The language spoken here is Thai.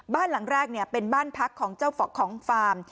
บ้านหลังแรกเป็นบ้านพักของเจ้าของฟาร์ม